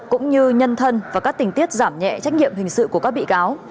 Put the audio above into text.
cũng như nhân thân và các tình tiết giảm nhẹ trách nhiệm hình sự của các bị cáo